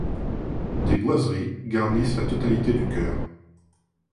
Des boiseries garnissent la totalité du chœur.